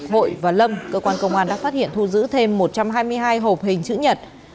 hội và lâm cơ quan công an đã phát hiện thu giữ thêm một trăm hai mươi hai hộp hình chữ nhật